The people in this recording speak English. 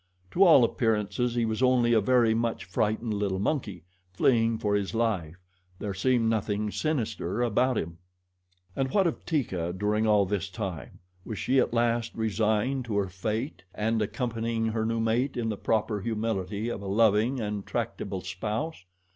To all appearances he was only a very much frightened little monkey, fleeing for his life there seemed nothing sinister about him. And what of Teeka during all this time? Was she at last resigned to her fate and accompanying her new mate in the proper humility of a loving and tractable spouse?